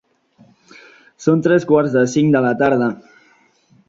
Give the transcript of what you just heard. Són tres quarts de cinc de la tarda.